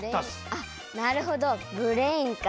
あっなるほどブレインか。